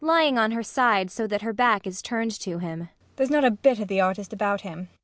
[Lying on her side, so that her back is turned to him.] There's not a bit of the artist about him. PROFESSOR RUBEK.